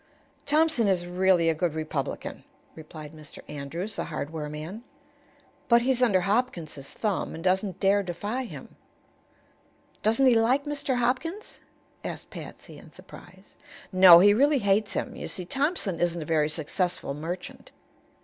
"Thompson is really a good Republican," replied Mr. Andrews, the hardware man. "But he's under Hopkins's thumb and doesn't dare defy him." "Doesn't he like Mr. Hopkins?" asked Patsy, in surprise. "No; he really hates him. You see, Thompson isn't a very successful merchant.